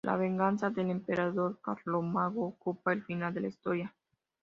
La venganza del emperador Carlomagno ocupa el final de la historia.